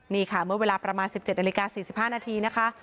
นี่ค่ะเมื่อเวลาประมาณ๑๗นาฬิกา๔๕นาทีนะคะ